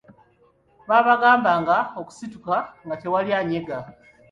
Baabagambanga okusituka nga tewali anyega.